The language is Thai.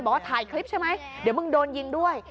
บอกว่าถ่ายคลิปใช่ไหมเดี๋ยวมึงโดนยิงด้วย